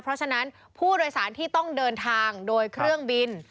เพราะฉะนั้นผู้โดยสารที่ต้องเดินทางโดยเครื่องบิน